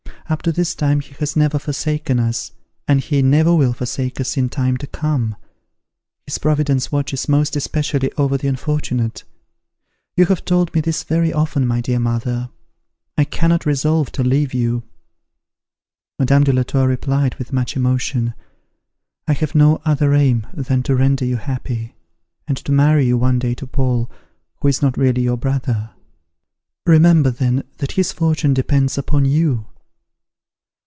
Up to this time he has never forsaken us, and he never will forsake us in time to come. His providence watches most especially over the unfortunate. You have told me this very often, my dear mother! I cannot resolve to leave you." Madame de la Tour replied, with much emotion, "I have no other aim than to render you happy, and to marry you one day to Paul, who is not really your brother. Remember then that his fortune depends upon you."